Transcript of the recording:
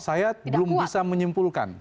saya belum bisa menyimpulkan